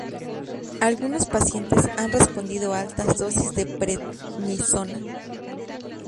Algunos pacientes han respondido a altas dosis de prednisona.